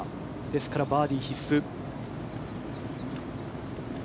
ですから、バーディー必須。